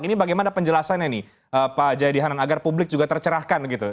ini bagaimana penjelasannya nih pak jayadi hanan agar publik juga tercerahkan gitu